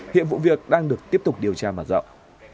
hiện vụ việc đang được tiếp tục điều tra mở rộng